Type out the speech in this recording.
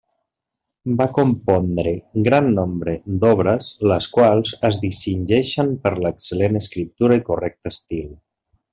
Va compondre gran nombre d'obres, les quals es distingeixen per l'excel·lent escriptura i correcte estil.